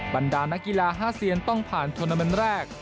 บันดานนักกีฬา๕เซียนต้องผ่านทรวนเทอร์เมนต์แรก